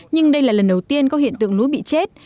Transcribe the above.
nhưng đây là lần đầu tiên có hiện tượng lúa bị chết